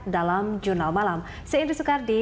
dalam jurnal malam saya indri soekardi